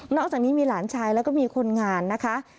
อกจากนี้มีหลานชายแล้วก็มีคนงานนะคะ